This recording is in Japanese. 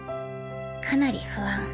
かなり不安。